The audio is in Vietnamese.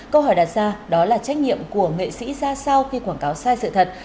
câu hỏi đặt ra đó là trách nhiệm của nghệ sĩ ra sau khi quảng cáo sai sự thật